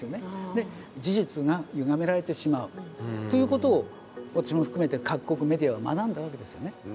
で事実がゆがめられてしまうということを私も含めて各国メディアは学んだわけですよね。